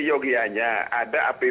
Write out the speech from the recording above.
yogianya ada apbn